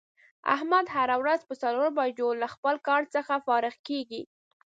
احمد هره روځ په څلور بجو له خپل کار څخه فارغ کېږي.